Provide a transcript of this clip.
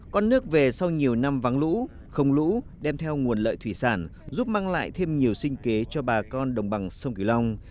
con nước về sau nhiều năm vắng lũ không lũ đem theo nguồn lợi thủy sản giúp mang lại thêm nhiều sinh kế cho bà con đồng bằng sông kiều long